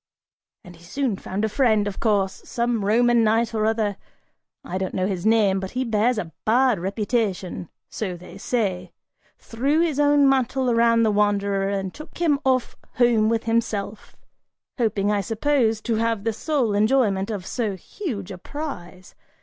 And he soon found a friend, of course: some Roman knight or other, I don't know his name, but he bears a bad reputation, so they say, threw his own mantle around the wanderer and took him off home with himself, hoping, I suppose, to have the sole enjoyment of so huge a prize.